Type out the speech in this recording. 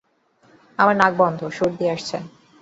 আমার নাক বন্ধ, সর্দি আছে আর অনেক হাঁচি আসে।